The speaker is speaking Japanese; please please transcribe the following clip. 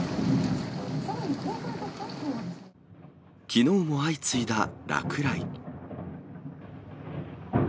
きのうも相次いだ落雷。